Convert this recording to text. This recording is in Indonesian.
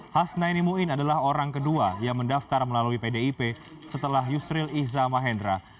hasnaini muin adalah orang kedua yang mendaftar melalui pdip setelah yusril iza mahendra